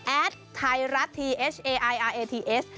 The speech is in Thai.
แอดไทยรัฐทีเอชเอออายอาอาทีเอส